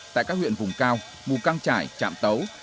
tại các huyện vùng cao mù căng trải trạm tấu